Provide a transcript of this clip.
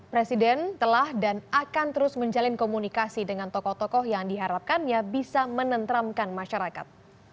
presiden telah dan akan terus menjalin komunikasi dengan tokoh tokoh yang diharapkannya bisa menentramkan masyarakat